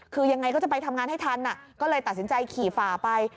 คือยังไงก็จะไปทำงานให้ทันก็เลยตัดสินใจขี่ฝ่าไป